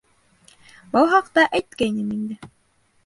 Был хаҡта әйткәйнем инде.